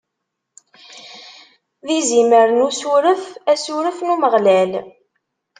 D izimer n usuref, asuref n Umeɣlal.